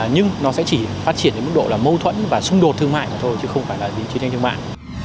nhưng nó sẽ chỉ phát triển đến một độ là mâu thuẫn và xung đột thương mại mà thôi chứ không phải là chiến tranh thương mại